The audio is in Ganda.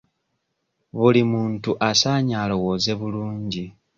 Buli muntu asaanye alowooze bulungi.